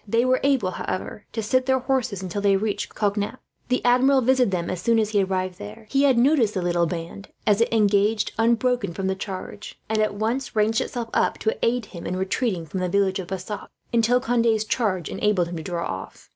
They were able, however, to sit their horses until they reached Cognac. The Admiral visited them, as soon as he arrived there. He had noticed the little band, as it emerged unbroken from the charge and, at once, ranged itself up to aid him in retreating from the village of Bassac, until Conde's charge enabled him to draw off.